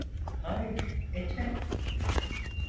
Hayır, etmedim.